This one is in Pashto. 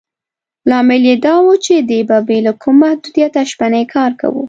لامل یې دا و چې دې به بې له کوم محدودیته شپنی کار کاوه.